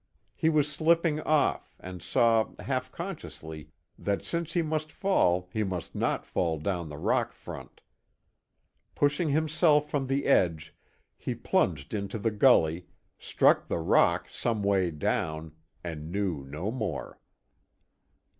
He was slipping off, and saw, half consciously, that since he must fall, he must not fall down the rock front. Pushing himself from the edge, he plunged into the gully, struck the rock some way down, and knew no more.